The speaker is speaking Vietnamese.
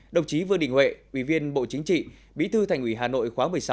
đồng chí vương đình huệ ủy viên bộ chính trị bí thư thành ủy hà nội khóa một mươi sáu